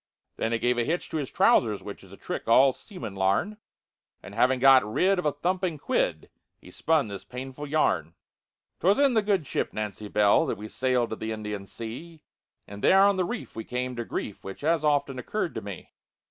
Then he gave a hitch to his trousers, which Is a trick all seamen larn, And having got rid of a thumping quid, He spun this painful yarn: "'Twas in the good ship Nancy Bell That we sailed to the Indian Sea, And there on a reef we come to grief, Which has often occurred to me.